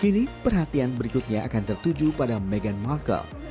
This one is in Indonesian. kini perhatian berikutnya akan tertuju pada meghan markle